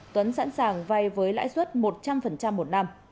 tuấn sẵn sàng vay với lãi suất một trăm linh một năm